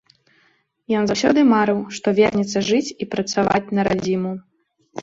Ён заўсёды марыў, што вернецца жыць і працаваць на радзіму.